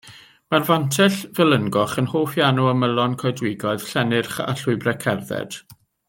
Mae'r Fantell felyngoch yn hoff iawn o ymylon coedwigoedd, llennyrch a llwybrau cerdded.